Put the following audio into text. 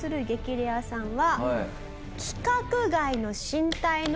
レアさんは。